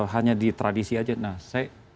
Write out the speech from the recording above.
hanya di tradisi aja nah saya